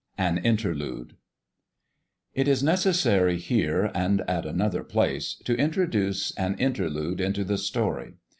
AN INTERLUDE IT is necessary here, and at another place, to introduce an interlude into the story.